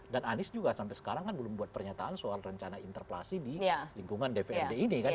dan anies juga sampai sekarang kan belum buat pernyataan soal rencana interplasi di lingkungan dprd ini kan